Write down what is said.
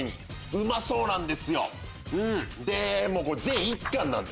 うまそうなんですよ。